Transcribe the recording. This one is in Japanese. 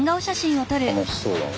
楽しそうだな。